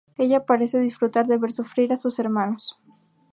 Ella parece disfrutar de ver sufrir a sus hermanos.